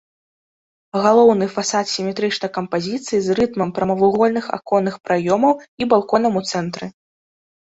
Галоўны фасад сіметрычнай кампазіцыі з рытмам прамавугольных аконных праёмаў і балконам у цэнтры.